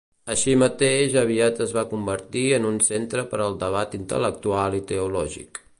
Així mateix, aviat es va convertir en un centre per al debat intel·lectual i teològic.